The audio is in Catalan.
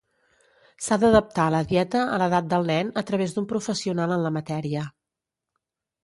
S'ha d'adaptar la dieta a l'edat del nen a través d'un professional en la matèria.